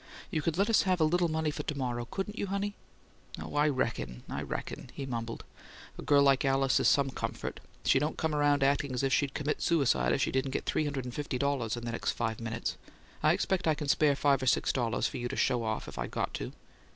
"You could let us have a little money for to morrow, couldn't you, honey?" "Oh, I reckon, I reckon," he mumbled. "A girl like Alice is some comfort: she don't come around acting as if she'd commit suicide if she didn't get three hundred and fifty dollars in the next five minutes. I expect I can spare five or six dollars for your show off if I got to."